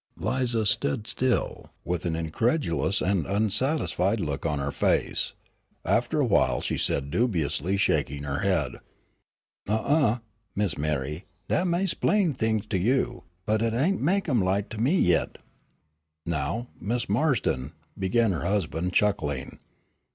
Lize stood still, with an incredulous and unsatisfied look on her face. After a while she said, dubiously shaking her head: "Huh uh! Miss M'ree, dat may 'splain t'ings to you, but hit ain' mek 'em light to me yit." "Now, Mrs. Marston" began her husband, chuckling.